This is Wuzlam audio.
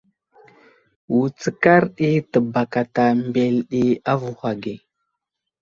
Wutskar ɗi təbakata mbele ɗi avohw age.